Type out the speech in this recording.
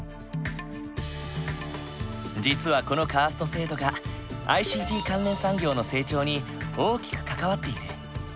実はこのカースト制度がＩＣＴ関連産業の成長に大きく関わっている。